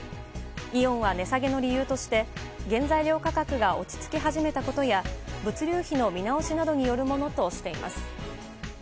イオンは値下げの理由として原材料価格が落ち着き始めたことや物流費の見直しなどによるものとしています。